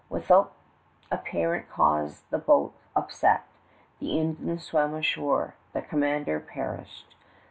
Without apparent cause the boat upset. The Indian swam ashore. The commander perished.